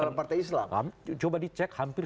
dalam partai islam coba dicek hampir